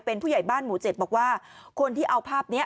เป็นผู้ใหญ่บ้านหมู่เจ็ดบอกว่าคนที่เอาภาพนี้